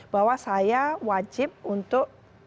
bahwa saya wajib untuk tetap menjunjukkan